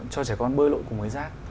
cho trẻ con bơi lội cùng với rác